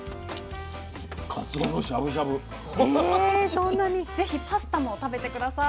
そんなに⁉是非パスタも食べて下さい。